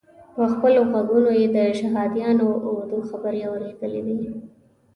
په خپلو غوږو یې د شهادیانو اردو خبرې اورېدلې وې.